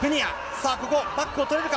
さあ、ここ、バックを取れるか？